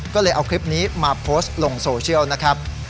ก็เลยเอาคลิปนี้มาโพสต์ลงโซเชียลนะครับ